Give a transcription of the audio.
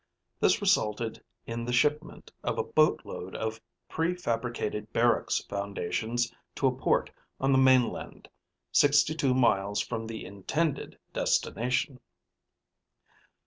This resulted in the shipment of a boatload of prefabricated barracks foundations to a port on the mainland sixty two miles from the intended destination.